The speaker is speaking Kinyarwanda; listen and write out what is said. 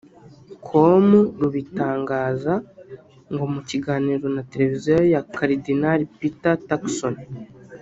com rubitangaza ngo mu kiganiro na televiziyo ya Karidinali Peter Turkson